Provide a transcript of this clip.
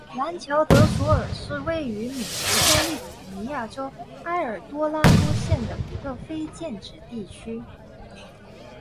兰乔德索尔是位于美国加利福尼亚州埃尔多拉多县的一个非建制地区。